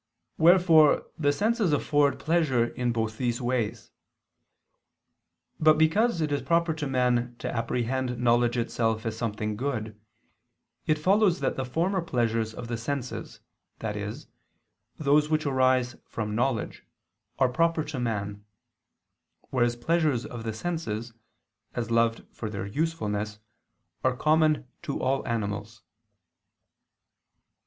Wherefore the senses afford pleasure in both these ways. But because it is proper to man to apprehend knowledge itself as something good, it follows that the former pleasures of the senses, i.e. those which arise from knowledge, are proper to man: whereas pleasures of the senses, as loved for their usefulness, are common to all animals.